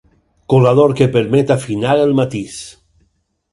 Colador que permet afinar el matís.